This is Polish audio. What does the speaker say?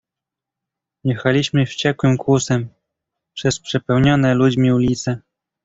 "Jechaliśmy wściekłym kłusem przez przepełnione ludźmi ulice."